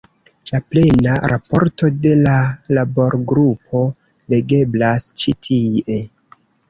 La plena raporto de la laborgrupo legeblas ĉi tie.